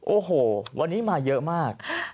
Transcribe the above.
โอ้โหวันนี้มาเยอะมาก